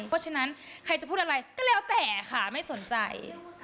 เพราะฉะนั้นใครจะพูดอะไรก็แล้วแต่ค่ะไม่สนใจ